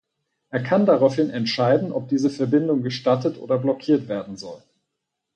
Er kann daraufhin entscheiden, ob diese Verbindung gestattet oder blockiert werden soll.